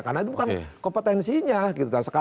karena itu bukan kompetensinya